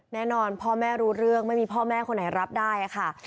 แน่นอนพ่อแม่รู้เรื่องไม่มีพ่อแม่คนไหนรับได้ค่ะ